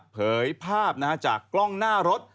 เผยภาพจากกล้องหน้ารถ